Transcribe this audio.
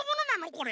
これ。